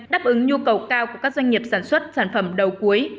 đáp ứng nhu cầu cao của các doanh nghiệp sản xuất sản phẩm đầu cuối